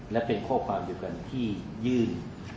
และเป็นข้อความเดียวกันที่ยื่น